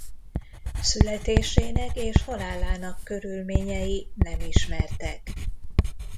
Születésének és halálának körülményei nem ismertek.